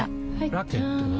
ラケットは？